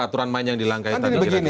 aturan main yang dilangkahin tadi